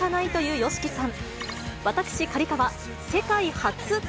ＹＯＳＨＩＫＩさん。